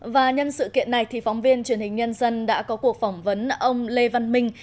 và nhân sự kiện này thì phóng viên truyền hình nhân dân đã có cuộc phỏng vấn ông lê văn minh